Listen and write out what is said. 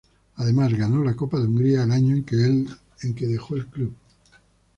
Además ganó la Copa de Hungría el año en el que dejó el club.